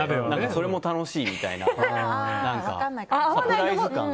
それも楽しいみたいな。